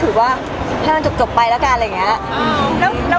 ๖ปีที่แล้วชื่อชาวข่าว